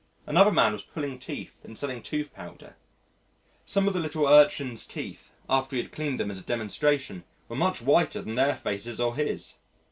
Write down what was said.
Another man was pulling teeth and selling tooth powder. Some of the little urchins' teeth, after he had cleaned them as a demonstration, were much whiter than their faces or his.